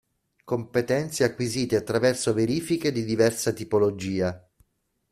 Competenze acquisite attraverso verifiche di diversa tipologia.